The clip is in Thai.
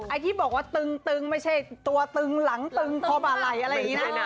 ไอ้ที่บอกว่าตึงไม่ใช่ตัวตึงหลังตึงคอบาไหล่อะไรอย่างนี้นะ